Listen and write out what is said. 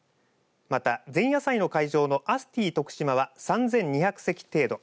また、前夜祭の会場のアスティとくしまは３２００席程度。